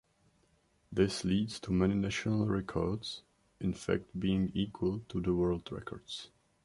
This leads to many national records in fact being equal to the world records.